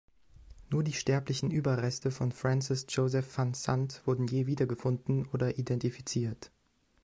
Nur die sterblichen Überreste von Francis Joseph Van Zandt wurden je wiedergefunden oder identifiziert.